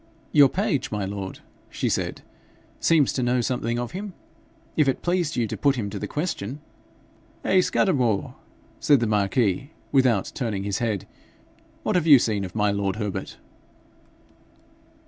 'Your page, my lord,' she said, 'seems to know something of him: if it pleased you to put him to the question ' 'Hey, Scudamore!' said the marquis without turning his head; 'what have you seen of my lord Herbert?'